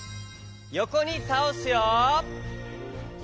よこにたおすよ。